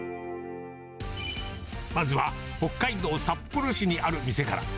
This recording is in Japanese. まずは北海道札幌市にある店から。